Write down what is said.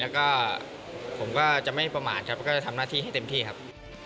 แล้วก็ผมก็จะไม่ประมาทครับก็จะทำหน้าที่ให้เต็มที่ครับ